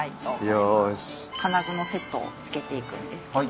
金具のセットを付けていくんですけど。